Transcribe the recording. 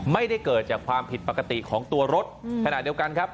ไม่ได้เกิดจากความผิดปกติของตัวรถขณะเดียวกันครับ